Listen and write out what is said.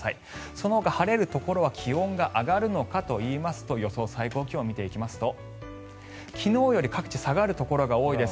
そのほか晴れるところは気温が上がるのかといいますと予想最高気温を見ていきますと昨日より各地下がるところが多いです。